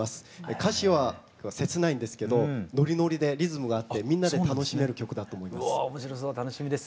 歌詞は切ないんですけどノリノリでリズムがあってみんなで楽しめる曲だと思います。